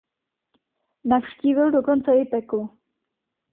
Navštívil dokonce i Peklo.